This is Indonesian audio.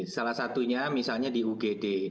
salah satunya misalnya di ugd